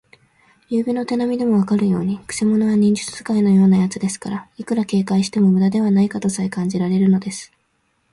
ゆうべの手なみでもわかるように、くせ者は忍術使いのようなやつですから、いくら警戒してもむだではないかとさえ感じられるのです。